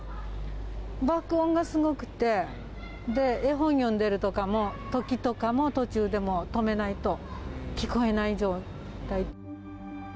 爆音がすごくて、絵本読んでるときとかも、途中でも止めないと聞こえない状態。